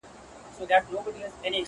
د جنګ د سولي د سیالیو وطن!